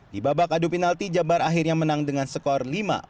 di babak adu penalti jabar akhirnya menang dengan skor lima